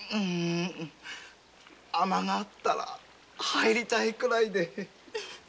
穴があったら入りたいくらいで。